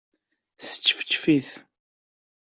Sčefčef-it.